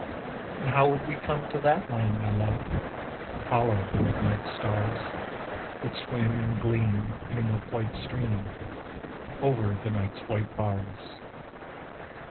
And how would we come to that land, my Love? Follow the midnight stars, That swim and gleam in a milk white stream, Over the night's white bars.